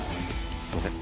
すいません。